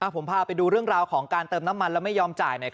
ผมพาไปดูเรื่องราวของการเติมน้ำมันแล้วไม่ยอมจ่าย